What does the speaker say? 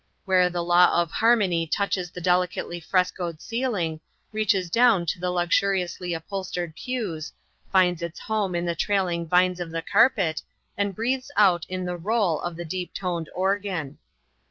Where the law of harmony touches the delicately frescoed ceiling, reaches down to the luxuri ously upholstered pews, finds its home in the trailing vines of the carpet, and breathes out in the roll of the deep toned organ.